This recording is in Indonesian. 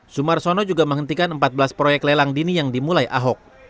sumarsono juga menghentikan empat belas proyek lelang dini yang dimulai ahok